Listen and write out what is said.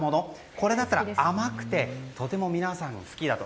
これは甘くてとても皆さんが好きだと。